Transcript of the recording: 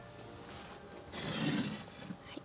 はい。